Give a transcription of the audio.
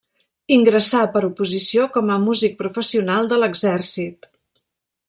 Ingressà per oposició com a músic professional de l'exèrcit.